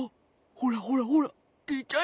ほらほらほらきいちゃえ。